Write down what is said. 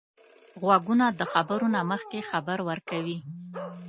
غوږونه د خبرو نه مخکې خبر ورکوي